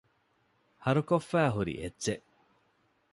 ހަރުކޮށްފައިހުރި އެއްޗެއް